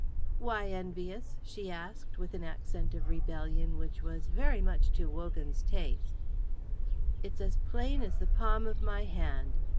"Why envious?" she asked with an accent of rebellion which was very much to Wogan's taste. "It's as plain as the palm of my hand.